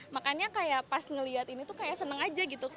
makanya kayak pas ngeliat ini tuh kayak seneng aja gitu